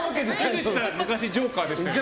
樋口さん昔ジョーカーでしたよね？